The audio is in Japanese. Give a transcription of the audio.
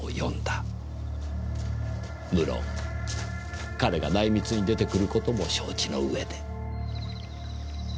無論彼が内密に出てくることも承知の上で。